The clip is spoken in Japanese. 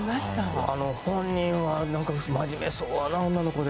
本人は、何か真面目そうな女の子で。